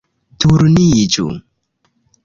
- Turniĝu